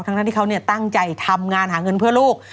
ทั้งที่เขาตั้งใจทำงานหาเงินเพื่อลูก